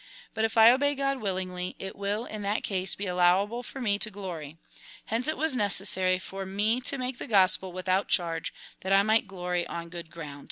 But if I obey God willingly, it will in that case be allowable for me to glory. Hence it was necessary for me to make the gospel without charge, that I might glory on good ground."